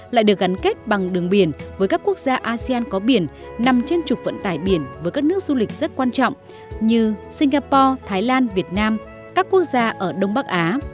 lại được gắn kết bằng đường biển với các quốc gia asean có biển nằm trên trục vận tải biển với các nước du lịch rất quan trọng như singapore thái lan việt nam các quốc gia ở đông bắc á